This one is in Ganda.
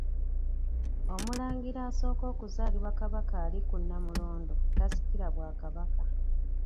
Omulangira asooka okuzaalibwa Kabaka ali ku Nnamulondo tasikira bwa Kabaka.